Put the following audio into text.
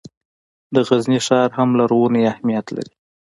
د غزني ښار هم لرغونی اهمیت لري.